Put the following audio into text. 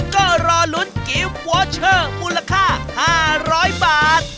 ก็รอลุ้นกิฟต์วอเชอร์มูลค่า๕๐๐บาท